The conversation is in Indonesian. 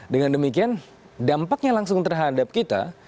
dengan demikian dampaknya langsung terhadap kita